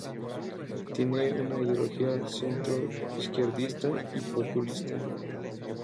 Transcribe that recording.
Tiene una ideología centro-izquierdista y populista.